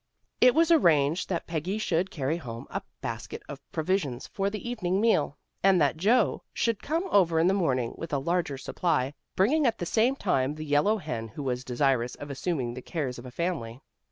It was arranged that Peggy should carry home a basket of provisions for the evening meal, and that Joe should come over in the morning with a larger supply, bringing at the same time the yellow hen who was desirous of assuming the cares of a family.